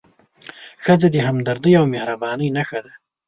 ښځه د همدردۍ او مهربانۍ نښه ده.